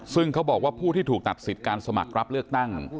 ซึ่งเขาบอกว่าผู้ที่ถูกตัดสิทธิ์การสมัครรับเลือกตั้ง